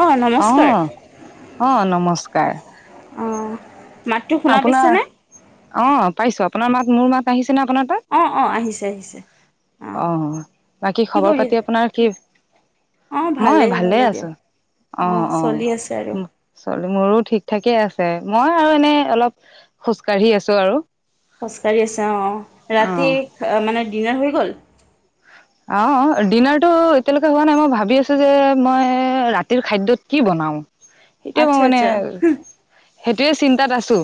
অ নমস্কাৰ অ অ নমস্কাৰ অ মাতটো শুনা আপোনাৰ পাইছেনে অ পাইছো আপোনাৰ মাত মোৰ মাত আহিছে। নে আপোনাৰ তাত অ অ আহিছে আহিছে। অ বাকী কি খবৰ কৰি পাতি আপোনাৰ কি? অ মই ভালেই ভালে আছো দিয়ক অ চলি আছে আৰু অ মোৰো ঠিক ঠাকে আছে মই আৰু এনে অলপ খোজ কাঢ়ি আছো আৰু খোজকাঢ়ি আছ অ ৰাতি অ', মানে ডিনাৰ হৈ গল অ ডিনাৰতটো এতিয়ালৈকে হোৱা নাই মই ভাবি আছো যে মই ৰাতিৰ খাদ্যত কি বনাও এতিয়া মই আচ্ছা মানে আচ্ছা সেইটোয়ে চিন্তাত আছো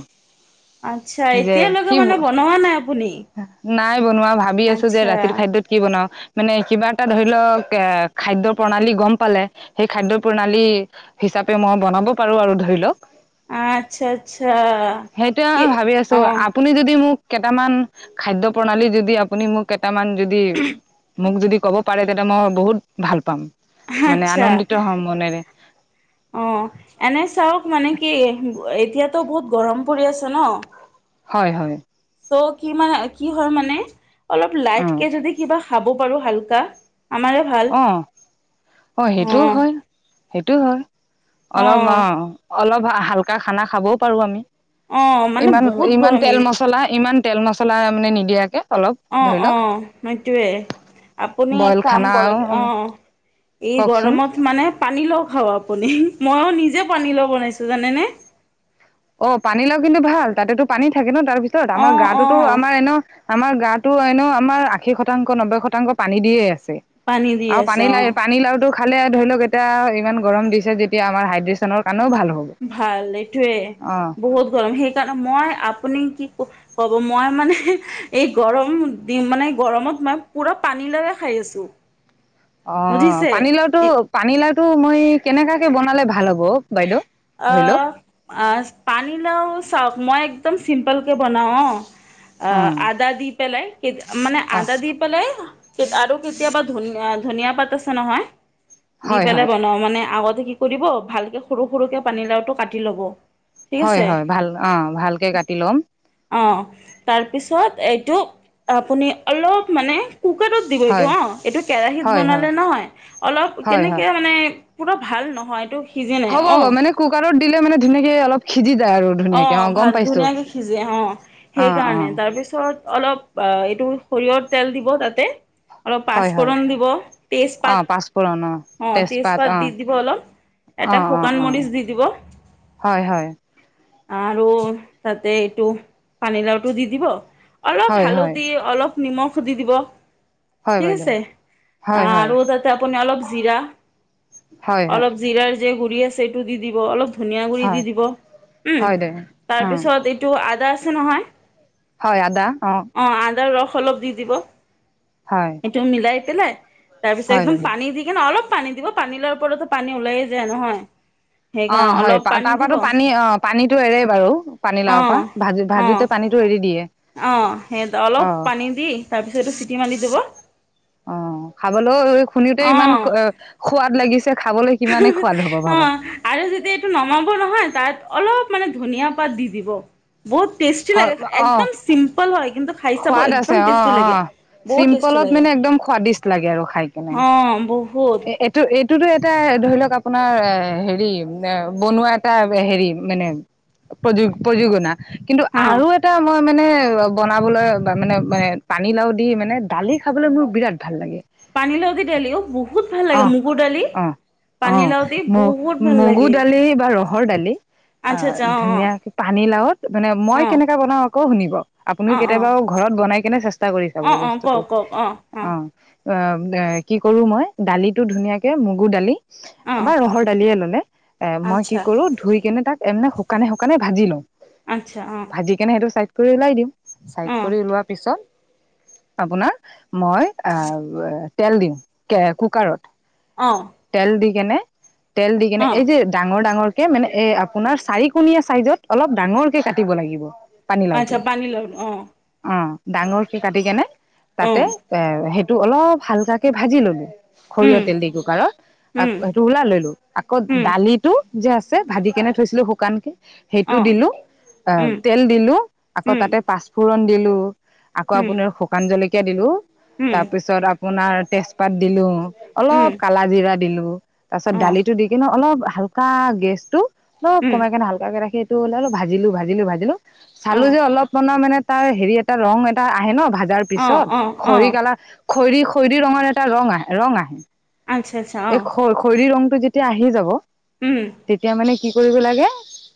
আত্ছা যে এতিয়ালৈকে কি মানে বনোৱা নাই আপুনি নাই বনোৱা ভাবি আছো যে আচ্ছা ৰাতিৰ খাদ্যত কি বনাও মানে কিবা এটা ধৰি লওক এ খাদ্যৰ প্ৰণালী গম পালে সেই খাদ্যৰ প্ৰণালী হিচাপে মই বনাব পাৰোঁ আৰু ধৰি লওক আচ্ছা আচ্ছা সেইটোয়ে কি মই ভাবি আছো অ আপুনি যদি মোক কেইটামান খাদ্য প্ৰণালী যদি আপুনি মোক কেইটামান যদি মোক যদি ক'ব পাৰে তেতিয়া মই বহুত ভাল পাম মানে আচ্ছা আনন্দিত হ'ম মনেৰে অ এনে চাক মানে কি এতিয়াতো বহুত গৰম পৰি আছে ন হয় হয় ত' কি মানে কি হয় মানে অলপ অ লাইট কেে যদি কিবা খাব পাৰো হালকা আমাৰে ভাল অ অ সেইটোও হয় সেইটো হয় অলপ অ অলপ হালকা খানা খাবও পাৰোঁ আমি অ', মানে ইমান বহুত ইমান গৰম এই তেল মছলা ইমান তেল মছলা মানে নিদিয়াকে অলপ অ ধৰি অ লওক সেইটোয়ে আপুনি এক বইল কাম খানা কৰক অ এই কওকচোন গৰমত মানে পানী লও খাও আপুনি মইো নিজে পানীলও বনাইছো জানেনে অ পানীলাও কিন্তু ভাল তাতেতো পানী থাকে ন তাৰপিছত আমাৰ অ', গাটোতো অ', আমাৰ এনে আমাৰ গাটো এনেও আমাৰ আশী শতাংশ নব্বৈ শতাংশ পানী দিয়ে আছে পানী দি আছে পানী অ', পানী লাৰুটো ফালে ধৰি লওক এতিয়া ইমান গৰম দিছে যেতিয়া আমাৰ হাইড্ৰেশ্যনৰ কাৰণে ভাল এইটোয়ে অ বহুত গৰম সেই কাৰণে মই আপুনি কি ক ক'ব মই মানে এই গৰম দি মানে গৰমত ম পুৰা পানী লৰে খাই আছো অ পানীলাওটো পানীলাওটো মই কেনেকাকে বনালে ভাল হ'ব বাইদেউ অ ধৰি লওক পানীলাও চাওক মই একদম চিম্পল কে বনাওঁ অ অ আহ আদা দি পেলাই মানে অ আদা দি পেলাই আৰু কেতিয়াবা ধন ধনিয়া পাত আছে নহয় দি হয় হয় পেলাই বনাও মানে আগত কি কৰিব ভালকে সৰু সৰুকে পানীলাওটো কাটি লব ঠিক হয় আছে হয় ভাল অ ভালকে কাটি ল'ম অ', তাৰপিছত এইটো আপুনি অলপ মানে কুকাৰত দিব এইটো হয় অ এইটো কেৰাহীত হয় হয় বনালে নহয় অলপ হয় হয় কেনেকে মানে পুৰা ভাল নহয় এইটো সিজি নাই হ'ব হ'ব অ মানে কুকাৰত দিলে মে ধুনীয়াক অলপ সিজি যায় আৰু অ ধুনীয়াকে গম ভাত পাইছো ধুনীয়াকে সিজে অ অ অ সেইকাৰণে তাৰপিছত অলপ বা এইটো সৰিয়ৰ তেল দিব তাতে অলপ হয় হয় পাঁচফোৰণ দিব অ তেজপাত পাঁচফোৰণ অ তেজপাত অ দি দিব অলপ অ এটা অ শুকান অ মৰিচ দি দিব হয় হয় আৰু তাতে এইটো পানীলাওটো দি দিব অলপ হয় হয় হালধি অলপ নিমখ দি দিব হয় ঠিক বাইদেউ আছে হয় হয় আৰু তাতে আপুনি অলপ জীৰা হয় হয় অলপ জিৰাৰ জিৰাৰ গুৰি দি দিব অলপ ধনিয়া গুৰিৰ দি হয় দিব উম হয় দে তাৰ অ পিছত এইটো আদা আছে নহয় হয় আদা অ অঁ আদাৰ ৰস অলপ দি দিব হয় এইটো মিলাই পেলাই তাৰপিছত হয় একদম বাইদেউ পানী দি কিনে অলপ পানী দিব পানী লোৱাৰ ওপৰতো পানী ওলাই যায় নহয়। অ সেইকাৰণে হয় অলপ পানী তাৰ দিব পৰাতো অঁ পানী অ পানী টো এৰে বাৰু পানী লাও পৰা ভাজি ভাজিতে পানীতটো এৰি দিয়ে। অ সেই অলপ অ পানী দি তাৰপিছত এইটো চিটি মাৰি দিব। অ খাবলৈও শুনোতে ইমান অঁ সোৱাদ লাগিছে খাবলৈ কিমানেই সোৱাদ হ'ব ভাবো। অ আৰু যেতিয়া এইটো নমাব নহয় তাত অলপ মানে ধনিয়া পাত দি দিব। বহুত টেষ্টি হয় লাগে অ একদম চিম্পল হয় কিন্তু খাই চাব সোৱাদ আছে একদম অ টেষ্টি অ লাগে। বহুত টেষ্টি চিম্পলত লাগে মানে একদম স্বাদিষ্ট লাগে আৰু খাই কেনে অ', বহুত এইটো এই। টোতো এটা ধৰি লওক আপোনাৰ এ হেৰি এ বনোৱা এটা হেৰি মানে। প্ৰয প্ৰযোজনা কিন্তু অ'। আৰু এটা মই মানে অ বনাবলৈ বা মানে ম পানীলাও দি মানে দালি খাবলৈ মোৰ বিৰাট ভাল লাগে। পানীলাও দি দালি অ', বহুত ভাল অ লাগে মগুৰ দালি। অ', অ পানীলাও দি বহুত ভাল মগু লাগে দালি বা ৰহৰ দালি। অ আচ্ছা আচ্ছা অ', ধুনীয়া পানী লাওত মানে অ', মই অ'। কেনেকা বনাও আকৌ শুনিব আপুনিও অ', অ', কেতিয়াবা ঘৰত বনাই কেনে চেষ্টা কৰি চাব এই অ', অ', বস্তুতটো কওক কওক অ। অ এ কি কৰো মই দালিটো ধুনীয়াকে মগু দালি। অ', বা ৰহৰ দালিয়ে ললে এ মই কি আচ্ছা। কৰো ধুই কেনে তাক এ শুকানে শুকানে ভাজি লওঁ। আচ্ছা অ', ভাজি কেনে সেইটো চাই কৰি ওলাই দিম চাইড অ', কৰি ওলোৱাৰ পিছত আপোনাৰ মই তেল দিম কুকাৰত অ', তেল দি। কেনে তেল দি কেনে অ', এই যে ডাঙৰ ডাঙৰ মানে এ আপোনাৰ চাৰিকণীয়া চাইজত অলপ ডাঙৰকে কাটিব লাগিব। পানী লাওটো আচ্ছা পানীলাও অ', অঁ ডাঙৰকে কাটি কেনে তাতে অ', এ সেইটো অলপ হালকা কে ভাজি লবি। সৰিয়হ উম। তেল দি কুকাৰত আ উম, সেইটো ওলাই ললো আকৌ উম, দালিটো যে আছে ভাজি কেনে থৈছিলোঁ শুকানকে সেইটো অ', দিলো আহ উম, তেল দিলো আকৌ উম, তাতে পাঁচফোৰণ দিলো আকৌ উম, আপোনাৰ শুকান জলকীয়া দিলো উম, তাৰপিছত আপোনাৰ তেজপাত দিলো অলপ উম, কালা জিৰা দিলো তাৰ পিছত অ', দালিটো দি কিনে অলপ হালকা গেছটো। অলপ উম, কমাই কেনে হালকাকে ৰাখি এইটো ওলাইল ভাজিলো ভাজিলো ভাজিলো চালো অ', যে অলপ মানৰ মানে তাৰ হেৰি এটা ৰং এটা আহে ন ভজাৰ অ', পিছত অ', খৰি অ', কালাৰ খৈৰী খৈৰী ৰঙৰ এটা ৰং আহ ৰং আহে। আচ্ছা, আচ্ছা, এই অ', খ খৰিৰ ৰংটো যেতিয়া আহি যাব উম, তেতিয়া মানে কি কৰিব লাগে।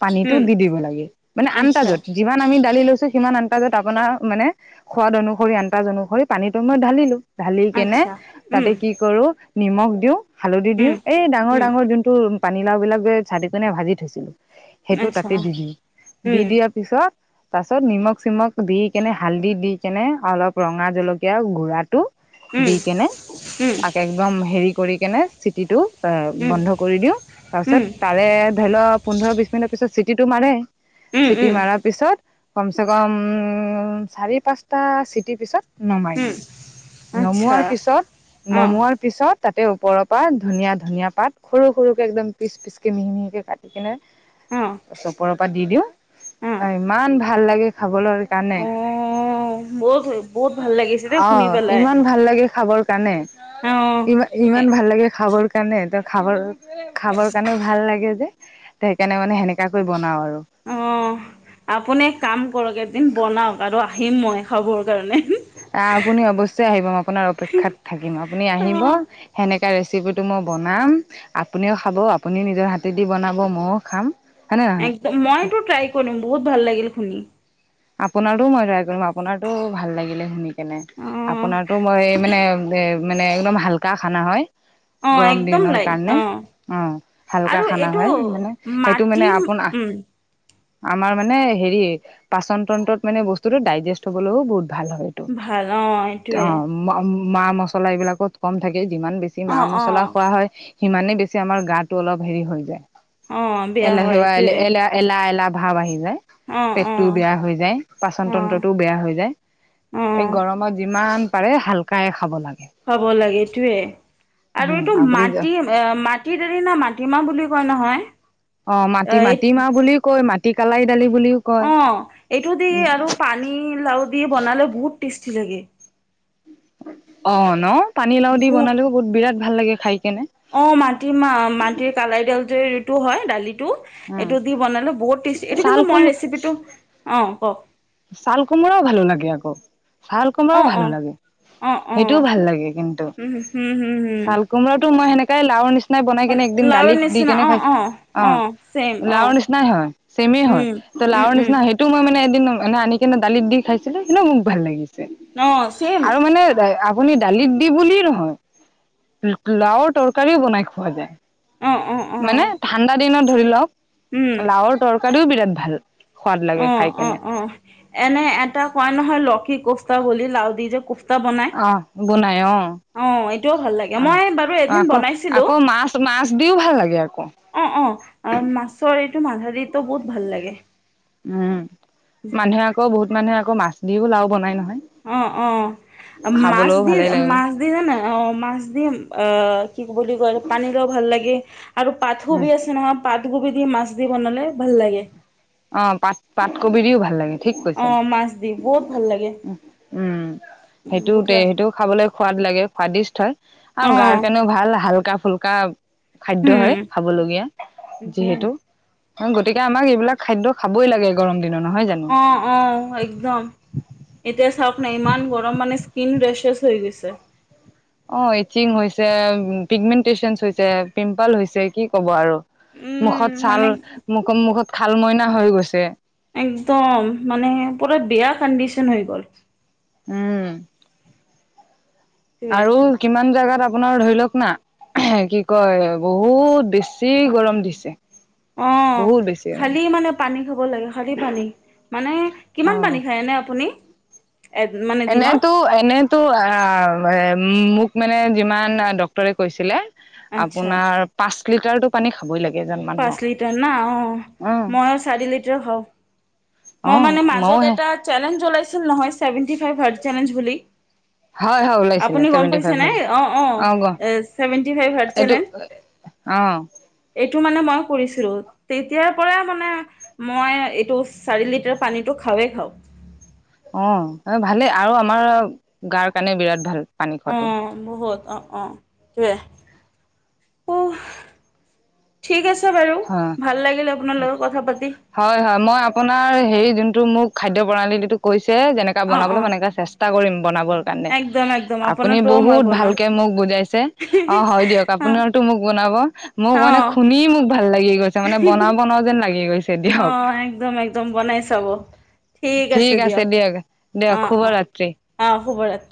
পানীতটো উম, দি দিব লাগে মানে আচ্ছা, আনন্তাজত যিমান আমি লৈ লৈছো সিমান মানে আন্দাজত আপোনৰ মানে সোৱাদ অনুসৰি পানীটো মই ঢালিলো ঢালি কেনে আচ্ছা, উম, তাতে কি কৰো নিমখ দিওঁ হালধি উম, দিওঁ এই ডাঙৰ উম, ডাঙৰ যোনটো পানীলাও বিলাক যে চাটিকনে ভাজি থৈছিলো। সেইটো আচ্ছা, তাতে দি দি দি উম, দিয়াৰ পিছত। তাৰছত নিমখ চিমখ দি কেনে হালধি দি কেনে অলপ ৰঙা জলকীয়া গুৰাটো উম, দি কেনে উম, উম, তাকে একদম হেৰি কৰি কেনে চিটিটো। এ উম, বন্ধ কৰি দিওঁ তাৰ পিছত উম, তাৰে ধৰি ল পোন্ধৰ বিছ মিনিটৰ পিছত চিটিটো মাৰে। চিটি উম, মাৰাৰ পিছত কম চে কম উম চাৰি পাঁচটা চিটিৰ পিছত নমাই উম, দিওঁ আচ্ছা, নমোৱাৰ পিছত অ', নমোৱাৰ পিছত তাতে ওপৰৰ পৰা ধনীয়া-ধনীয়া পাত সৰু-সৰু কে একদম পিচ-পিচকে মিহি-মিহি কৈ কাটি কিনে অ', চপৰৰ পৰা দি দিওঁ- অ ইমান ভাল লাগে খাবলৈ কাৰণে। অ', বহুত, বহুত ভাল লাগিছে দেই অ শুনি পেলাই, ইমান ভাল লাগে খাবৰ কাৰণে অ', ইমান এ ইমান ভাল লাগে খাবৰ কাৰণে খাবৰ-খাবৰ কাৰণেও ভাল লাগে যে সেইকাৰণে মানে সেনেকাকৈ বনাওঁ আৰু৷ [unintelligible] অ', আপুনি কাম কৰক এদিন বনাওক আৰু আহিম মই খাবৰ কাৰণে৷ আহ আপুনি অৱশ্যেই আপোনাৰ অপেক্ষাত থাকিম আপুনি আহিব অ', সেনে শিকা ৰেচিপিটো মই বনাম আপুনিও খাব আপুনি নিজৰ হাতেদি বনাব ময়ো খাম৷ হয়নে নহয় একদম মইটো ট্ৰাই কৰিম বহুত ভাল লাগিল শুনি৷ আপোনাৰোটো মই ট্ৰাই কৰিম আপোনাৰটো ভাল লাগিলে শুনি কেনে৷ অ', আপোনাৰতো মই এই মানে এ মানে একদম হাল্কা খানা হয়৷ অ', গৰম একদম দিনৰ লাইট অ', কাৰণে৷ অঁ হালকা আৰু খানা এইটো হয় মানে সেইটো মাটি মানে আপোন আহ উম, আমাৰ মানে হেৰি পাচন তন্ত্ৰত মানে বস্তুটো ডাইজেষ্ট হ'বলৈও বহুত ভাল হয় তো ভাল অ', এইটোৱে অঁ অম মা মছলা এইবিলাকত কম থাকে যিমান বেছি মা অ', মছলা অ', খোৱা হয় সিমানে বেছি আমাৰ গা টো অলপ হেৰি হৈ যায় অ', বেয়া এল হয় সেৱাল এইটোৱে এল এলাহ-এলাহ ভাৱ আহি যায় অ', পেট টোও অ', বেয়া হৈ যায় পাচন অ', তন্ত্ৰতটোও বেয়া হৈ যায় এই অ', গৰমত যিমান পাৰে হালকাই খাব লাগে খাব লাগে সেই টোৱেই৷ আৰু উম এইটো আপুনি মাটি-মাটি দাৰ না মাটিমাহ বুলি কয় নহয়? অঁ অ', মাটি-মাটি মাৰ বুলি কয় মাটি কালাই দালি বুলিও কয়। অঁ এইটো দি আৰু পানী লাও দি বনালে বহুত টেষ্টি লাগে৷ অঁ ন পানীলাওঁ দি বনালেওঁ বহুত বিৰাট ভাল লাগে খাই৷ কেনে অঁ মাটি মাহ মাটিৰ কালাই দাল যে তো হয় দালি উম। এইটো দি বনালে বহুত টেষ্ট এইটো ছাল কিন্তু কোম মই ৰেচিপিটো অঁ কওঁক ছাল কোমোৰাও ভালো লাগে আকৌ ছাল অ কোমোৰাও অ ভালো লাগে৷ অ অ সেইটোও ভাল লাগে কিন্তু উম হম হম হম ছাল কোমৰাটো মই সেনেকাই লাও নিচি নিচিনাই বনাই কেনে একদিন লাৰুৰ দালিত দি নিচিনা কেনে অ খাইছ অ চেম অ লাওৰ নিচিনাই হয় চেমে হয়৷ উম ত উম লাৰ উম নিচিনা সেইটোও মই মান এদ ম আনি কিনে দালিত দি খাইছিলো সেনেও মোক ভাল লাগিছিল৷ অ চেম আৰু মানে আপুনি দালিত দি বুলিয়েই নহয় লাওৰ তৰকাৰিও বনাই খোৱা যায়। অ অ অ মানে ঠাণ্ডা দিনত ধৰি লওঁক উম লাওৰ তৰকাৰিওঁ বিৰাট ভাল। সোৱাদ লাগে অ খাই অ কেনে। অ এনে এটা কোৱা নহয় লকী কোফটা বুলি লাও দি যে কো অহ বনাই অঁ। এইটোও ভাল লাগে অঁ মই বাৰু এদিন বনাইছিলো আকৌ-আকৌ মাছ-মাছ দিওঁ ভাল লাগে আকৌ। অঁ-অঁ মাছৰ এইটো মাধা দিতো বহুত ভাল লাগে। উম মানুহে আকৌ বহুত মানুহে আকৌ মাছ দিওঁ লাওঁ বনাই নহয়। অঁ-অঁ। মাছ খাবলৈও দি ভালেই লাগে মাছ দি জানা অঁ মাছ দি আহ কি বুলি কয় পানী লাঁও ভাল ভাল লাগে আৰু পাত কবি উম আছে নহয় পাত কবি দি মাছ দি বনালে ভাল লাগে। অঁ পাত-পাত কবি দিওঁ ভাল লাগে। অঁ মাছ দি বহুত ভাল ল। উম উম। সেইটোৱে বুটলাছ সেইটোৰ খাবলৈ সোৱাদ লাগে। সোৱাদিষ্ট হয় আৰু অ গাৰ কেনেও ভাল ভাল কা ফুল্কা খাদ্য হয় উম খাবলগীয়া সেইটোৱে যিহেতু। [unintelligible] গতিকে আমাক এইবিলাক খাদ্য খাবই লাগে গৰম। দিনত নহয় জানো অঁ অঁ একদম এতিয়া চাওঁক নাই ইমান গৰম মানে স্কিন ৰেছেছ। থৈ গৈছে। অঁ ইচিং হৈছে পিগমেন্টেচন হৈছে, পিম্পল হৈছে, কি ক'ব আৰু মুখত উম ছাল, মানে মুখ মুখত খাল মইনা হৈ গৈছে! একদম মানে পুৰা বেয়া কণ্ডিচন হৈ গ'ল। উম আৰু কিমান জোগাত আপ- আপোনাৰ ধৰি লওক না কি কয় বহুত বেছি গৰম দিছে। বহুত বেছি। গৰম, খালী মানে পানী খাব লাগে খালী পানী মানে কিমান পানী খায় নে আপুনি এ মানে দিনত এনেইতো এনেইতো আ মোক মানে যিমান ডক্তৰে কৈছিলে আচ্ছা আপোনাৰ পাঁচ লিটাৰত পান খাবই লাগে। এজন পাঁচ মানুহক, লিটাৰ না অ অ', মই চাৰি লিটাৰ খাওঁ। মই অ', মানে ময়ো মাজত হে এটা চেলেঞ্জ উলাইছিল নহয় ছেভেনটি ফাইভ হাৰ্জ চেলেঞ্জ বুলি হয় হয় ওলাইছিলে আপুনি গম ছেভেন্টি পাইছে নে ফাইভৰ। অ অ ছেভেনটি ফাইভ হাৰ্জ এইটো চেলেঞ্জ এইটো অ মানে মই কৰিছিলো তেতিয়াৰ পৰা মানে মই এইটো চাৰি লিটাৰ পানীটো খাওঁ ৱে খাওঁ। অ ভালেই আৰু আমাৰ গাৰ কাৰণে বিৰাট ভাল। পানী অ খোৱাটো বহুত অ অ টোৱে অ ঠিক আছ- পাতি হয় হয় মই আপোনাৰ সেই যোন- মোক খাদ্য প্ৰণালীটো কৈছে। যেনেকা অ', বনাবলৈ অ', মই এনেকা চেষ্টা কৰিম বনাবৰ কাৰণে একদম একদম আপুনি আপোনাৰটোও মই বহুত বনাম ভালকে মোক বু- জাইছে অ হয় দিয়ক অ', আপোনাৰতো মোক বনাব মোক মানে অ', শুনি মোক ভাল লাগি গৈছে মানে বনাওঁ বনাওঁ যেন লাগি গৈছে দিয়ক। অ', একদম একদম বনাই চাব ঠিক আছে দিয়ক দিয়ক অ', অ', শুভৰাত্ৰি অ', শুভৰাত্ৰি